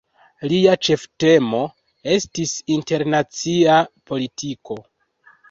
Lia ĉeftemo estis internacia politiko.